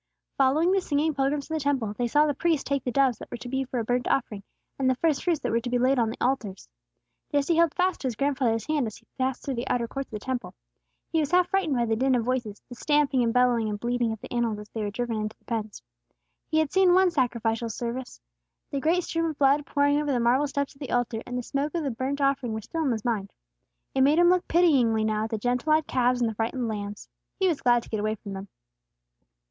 Following the singing pilgrims to the Temple, they saw the priests take the doves that were to be for a burnt offering, and the first fruits that were to be laid on the altars. Jesse held fast to his grandfather's hand as they passed through the outer courts of the Temple. He was half frightened by the din of voices, the stamping and bellowing and bleating of the animals as they were driven into the pens. He had seen one sacrificial service; the great stream of blood pouring over the marble steps of the altar, and the smoke of the burnt offering were still in his mind. It made him look pityingly now at the gentle eyed calves and the frightened lambs. He was glad to get away from them.